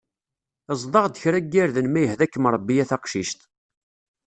Ezḍ-aɣ-d kra n yirden ma yehda-kem Rebbi a taqcict.